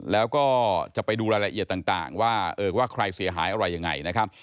แล้วก็จะไปดูรายละเอียดต่างว่าว่าใครเสียหายอะไรยังไงนะครับ